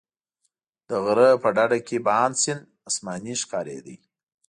د غره په ډډه کې بهاند سیند اسماني ښکارېده.